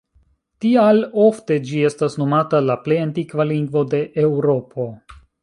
Tial, ofte ĝi estas nomata "la plej antikva lingvo de Eŭropo".